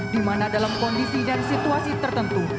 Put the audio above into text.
dimana dalam kondisi dan situasi tertentu